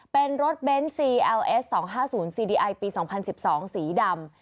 เป็นรถเบนต์ซีเอลเอสสองห้าศูนย์ซีดีไอปีสองพันสิบสองสีดำ